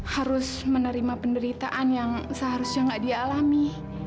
harus menerima penderitaan yang seharusnya gak dialami